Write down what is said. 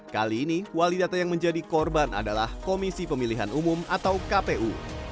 kali ini wali data yang menjadi korban adalah komisi pemilihan umum atau kpu